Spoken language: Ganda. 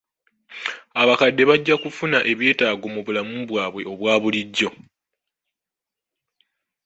Abakadde bajja kufuna ebyetaago mu bulamu bwabwe obwa bulijjo.